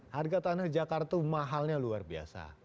harga tanah jakarta mahalnya luar biasa